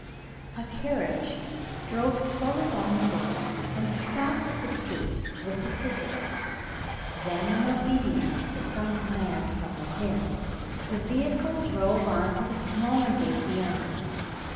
A carriage drove slowly down the road and stopped at the gate with the scissors; then, in obedience to some command from within, the vehicle drove on to the smaller gate beyond.